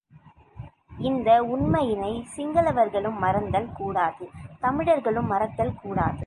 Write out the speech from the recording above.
இந்த உண்மையினைச் சிங்களவர்களும் மறத்தல் கூடாது தமிழர்களும் மறத்தல் கூடாது.